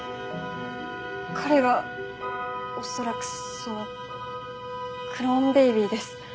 彼が恐らくそのクローンベイビーです。